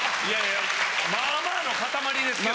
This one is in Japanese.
まあまあの塊ですけど。